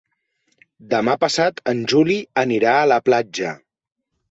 Demà passat en Juli anirà a la platja.